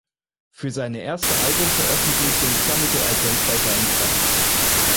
Für seine erste Albumveröffentlichung sammelte er Geld bei seinen Fans.